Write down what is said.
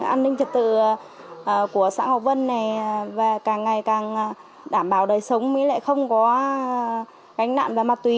an ninh trật tự của xã ngọc vân này và càng ngày càng đảm bảo đời sống mới lại không có cánh nạn và ma túy